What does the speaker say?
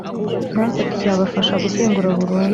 natwe tuzabafasha gushyingura burundu